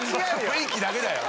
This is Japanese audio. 雰囲気だけだよ。